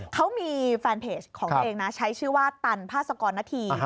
เขามีแฟนเพจของเขาเองใช้ชื่อว่าตันภาษากรนที